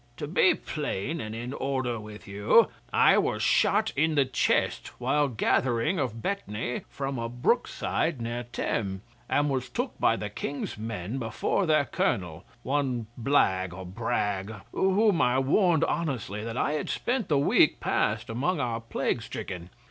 'To be plain and in order with you, I was shot in the chest while gathering of betony from a brookside near Thame, and was took by the King's men before their Colonel, one Blagg or Bragge, whom I warned honestly that I had spent the week past among our plague stricken.